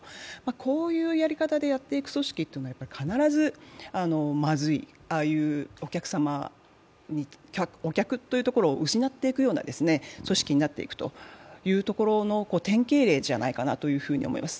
こういうやり方でやっていく組織というのは、必ず、まずい、ああいう、お客というところを失っていく組織になるという典型例じゃないかなと思います。